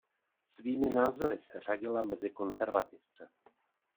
Svými názory se řadila mezi konzervativce.